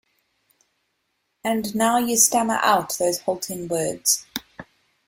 And now you stammer out those halting words.